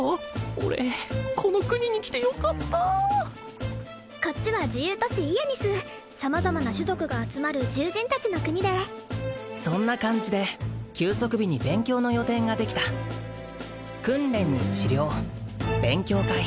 俺この国に来てよかったこっちは自由都市イエニス様々な種族が集まる獣人達の国でそんな感じで休息日に勉強の予定ができた訓練に治療勉強会